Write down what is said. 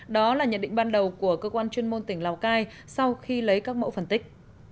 đó là nhận định ban đầu của cơ quan chuyên môn tỉnh lào cai sau khi lấy các mẫu phân tích